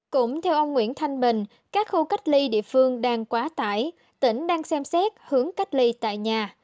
cũng theo ông nguyễn thanh bình các khu cách ly địa phương đang quá tải tỉnh đang xem xét hướng cách ly tại nhà